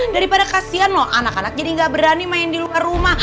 daripada kasian loh anak anak jadi nggak berani main di luar rumah